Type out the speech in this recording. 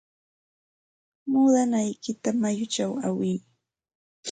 Muudanaykita mayuchaw aywiy.